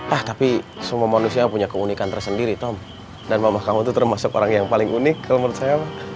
ah tapi semua manusia punya keunikan tersendiri tom dan mama kamu itu termasuk orang yang paling unik kalau menurut saya